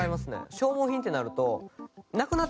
消耗品ってなると。